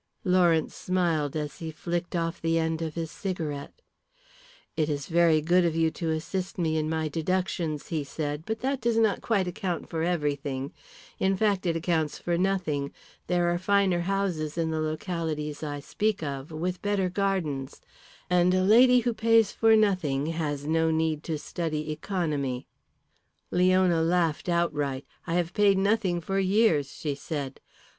Lawrence smiled as he flicked off the end of his cigarette. "It is very good of you to assist me in my deductions," he said. "But that does not quite account for everything; in fact, it accounts for nothing. There are finer houses in the localities I speak of, with better gardens. And a lady who pays for nothing has no need to study economy." Leona laughed outright. "I have paid for nothing for years," she said.